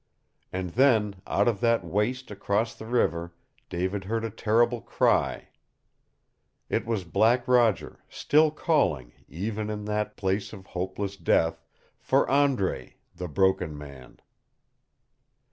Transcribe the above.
And then, out of that waste across the river, David heard a terrible cry. It was Black Roger, still calling even in that place of hopeless death for Andre, the Broken Man!